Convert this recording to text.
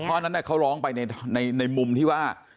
เพราะฉะนั้นเขาร้องไปในมุมที่ว่า